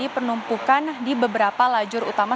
penumpukan di beberapa lajur utama